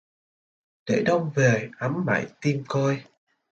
Để Đông về ấm mãi tim côi